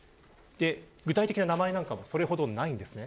具体的な名前なんかもそれほどないです。